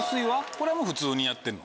これは普通にやってんの？